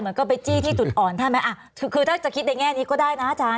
ก็ไปจี้ที่จุดอ่อนใช่ไหมคือถ้าจะคิดในแง่นี้ก็ได้นะอาจารย์